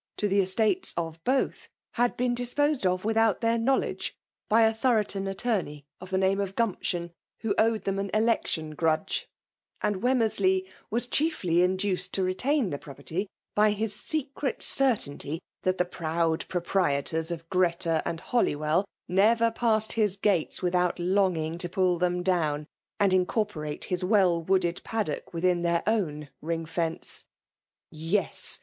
79 to the estates of both> had been disposed of ivitboot their kaofwledge^ by a Thorolon atto Bey of the nameof Gumption, who owed them w ekeOon grudge; and Wemmersley was chidly induced to retain the property by has 0eeret eertaiiity, that the piood praprietots of Greta and Holywell never passed his gates without longing to puU them down> and incor porate his well wooded paddock within their own ring*fence I Yes